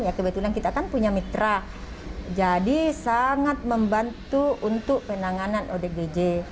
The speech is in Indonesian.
ya kebetulan kita kan punya mitra jadi sangat membantu untuk penanganan odgj